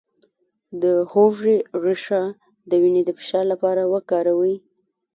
د هوږې ریښه د وینې د فشار لپاره وکاروئ